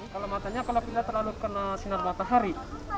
kalau matanya terlalu kena sinar matahari